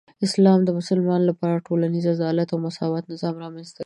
اسلام د مسلمانانو لپاره د ټولنیزې عدالت او مساوات نظام رامنځته کوي.